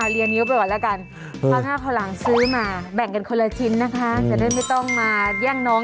เลี้ยงนิ้วกันก่อนแล้วกันค่าค่าค่าแจงแก่ค่าไม่ต้องมาแย่งน้อง